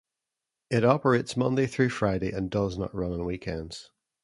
It operates Monday through Friday and does not run on weekends.